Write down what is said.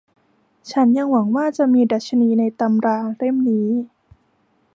ฉันยังหวังว่าจะมีดัชนีในตำราเล่มนี้